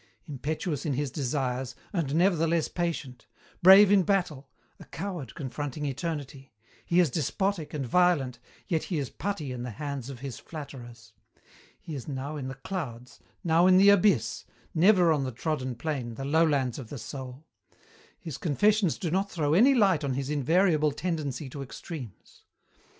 "Impetuous in his desires, and nevertheless patient; brave in battle, a coward confronting eternity; he is despotic and violent, yet he is putty in the hands of his flatterers. He is now in the clouds, now in the abyss, never on the trodden plain, the lowlands of the soul. His confessions do not throw any light on his invariable tendency to extremes.